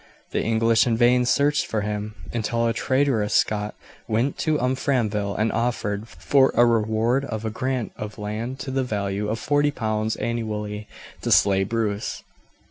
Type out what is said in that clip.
The English in vain searched for him, until a traitorous Scot went to Umfraville and offered, for a reward of a grant of land to the value of 40 pounds annually, to slay Bruce.